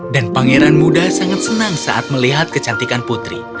dan pangeran muda sangat senang saat melihat kecantikan putri